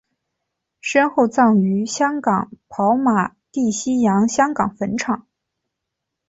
身后葬于香港跑马地西洋香港坟场。